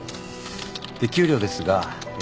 で給料ですがえ